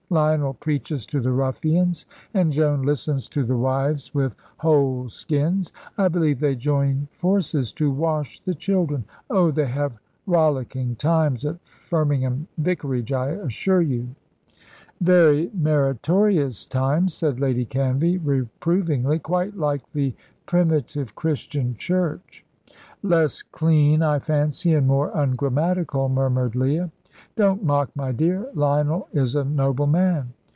Lionel preaches to the ruffians, and Joan listens to the wives with whole skins. I believe they join forces to wash the children. Oh, they have rollicking times at Firmingham Vicarage, I assure you." "Very meritorious times," said Lady Canvey, reprovingly "quite like the primitive Christian Church." "Less clean, I fancy, and more ungrammatical," murmured Leah. "Don't mock, my dear. Lionel is a noble man."